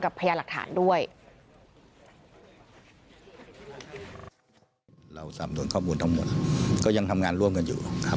พยานหลักฐานด้วย